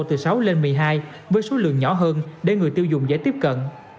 từ sáu lên một mươi hai với số lượng nhỏ hơn để người tiêu dùng dễ tiếp cận